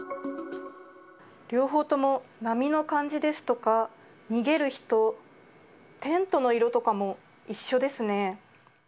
両方とも波の感じですとか、逃げる人、テントの色とかも一緒ですね。